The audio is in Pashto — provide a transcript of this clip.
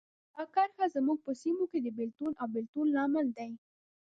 دا کرښه زموږ په سیمو کې د بېلتون او بیلتون لامل ده.